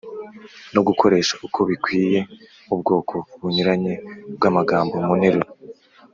no gukoresha uko bikwiye ubwoko bunyuranye bw’amagambo mu nteruro.